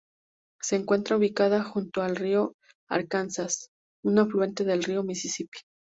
Se encuentra ubicada junto al río Arkansas, un afluente del río Misisipi.